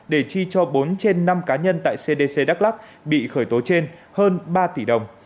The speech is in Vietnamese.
để chi cho bốn trên năm cá nhân tại cdc đắk lắc bị khởi tố trên hơn ba tỷ đồng